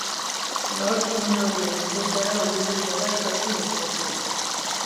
Gaur, ume horien etxeetara hurbilduko da ikazkin ospetsua.